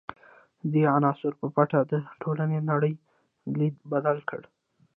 دې عناصرو په پټه د ټولنې نړۍ لید بدل کړ.